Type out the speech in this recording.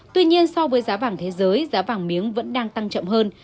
tuy nhiên so với giá vàng thế giới giá vàng miếng vẫn đang tăng chậm hơn